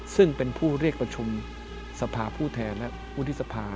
ซึ่งเป็นผู้เรียกประชุมสภาผู้แทนและวุฒิสภา